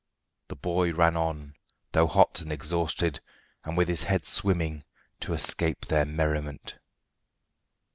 The boy ran on, though hot and exhausted, and with his head swimming, to escape their merriment.